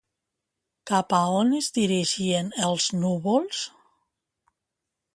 Cap a on es dirigien els núvols?